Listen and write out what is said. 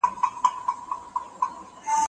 که تجربه شريکه سي دا تعليم ته مرسته کوي.